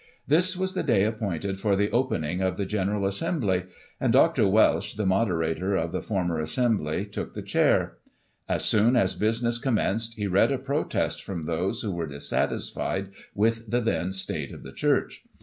This was the day appointed for the opening of the General Assembly, and Dr. Welsh, the Moderator of the former Assembly, took the Chair. As soon as business commenced, he read a protest from those who were dissatisfied with the then state of the Church.